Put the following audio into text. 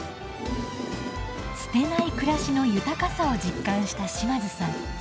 捨てない暮らしの豊かさを実感した島津さん。